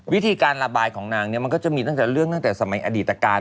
วิธีการระบายของนางเนี่ยมันก็จะมีตั้งแต่เรื่องตั้งแต่สมัยอดีตการ